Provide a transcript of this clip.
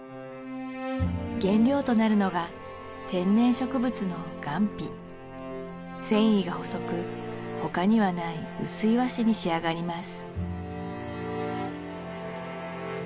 原料となるのが天然植物の雁皮繊維が細く他にはない薄い和紙に仕上がります